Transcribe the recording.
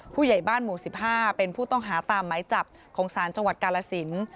ผู้ใหญ่บ้านหมู่๑๕เป็นผู้ต้องหาตามไหมจับของศาลจังหวัดกาลสิน